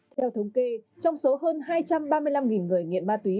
theo thống kê trong số hơn hai trăm ba mươi năm người nghiện ma túy